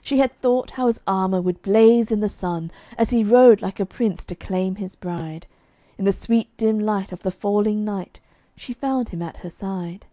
She had thought how his armor would blaze in the sun, As he rode like a prince to claim his bride: In the sweet dim light of the falling night She found him at her side.